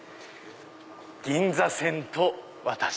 銀座線と私。